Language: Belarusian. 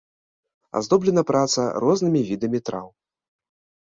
Аздоблена праца рознымі відамі траў.